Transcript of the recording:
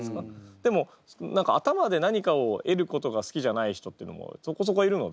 でも頭で何かを得ることが好きじゃない人っていうのもそこそこいるので。